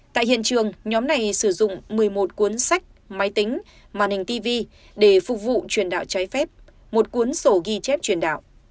tại hiện trường nhóm này sử dụng một mươi một cuốn sách máy tính màn hình tv để phục vụ truyền đạo trái phép một cuốn sổ ghi chép truyền đạo